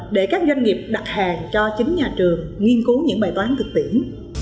để các doanh nghiệp đặt hàng cho chính nhà trường nghiên cứu những bài toán thực tiễn